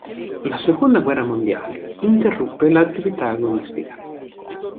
La Seconda guerra mondiale interruppe l'attività agonistica.